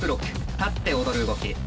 立って踊る動き。